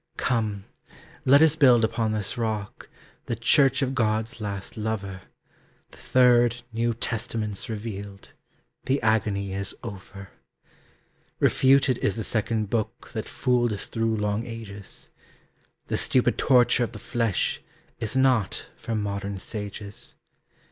Come, let us build upon this rock, The Church of God's last lover, The third New Testament's revealed, The agony is over. Refuted is the second book That fooled us through long ages. The stupid torture of the flesh Is not for modern sages.